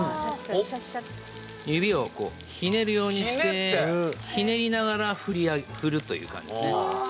指をひねるようにしてひねりながらふるという感じですね。